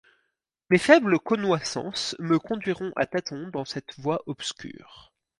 Mes faibles connoissances me conduiront à tâtons dans cette voie obscure.